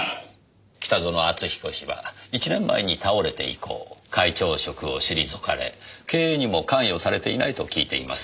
北薗篤彦氏は１年前に倒れて以降会長職を退かれ経営にも関与されていないと聞いています。